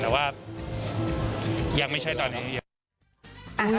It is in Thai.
แต่ว่ายังไม่ใช่ตอนนี้